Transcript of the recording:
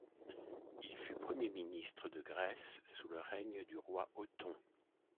Il fut Premier ministre de Grèce sous le règne du roi Othon.